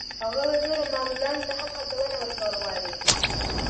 هغه وویل نورو معلولانو ته هم هڅونه ورکول غواړي.